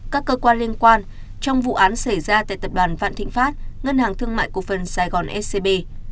các cơ quan liên quan trong vụ án xảy ra tại tập đoàn vạn thịnh pháp ngân hàng thương mại cổ phần sài gòn scb